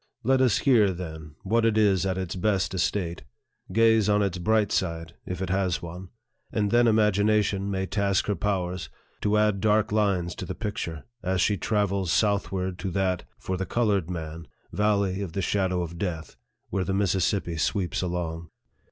Let us hear, then, what it is at its best estate gaze on its bright side, if it has one ; and then imagination may task her powers to add dark lines to the picture, as she travels southward to that (for the colored man) Valley of the Shadow of Death, where the Mississippi sweeps along.